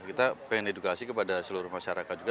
kita pengen edukasi kepada seluruh masyarakat juga